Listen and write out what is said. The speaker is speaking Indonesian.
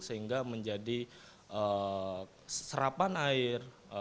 sehingga menjadi serapan air